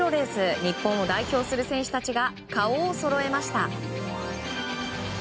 日本を代表する選手たちが顔をそろえました。